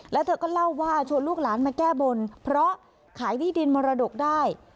แล้วเธอก็เล่าว่าชวนลูกหลานมาแก้บนเพราะขายที่ดินมรดกได้